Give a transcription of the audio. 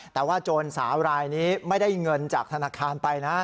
แต่ว่าโจรสาวรายนี้ไม่ได้เงินจากธนาคารไปนะ